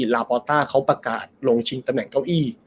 ลาปอต้าเขาประกาศลงชิงตำแหน่งเก้าอี้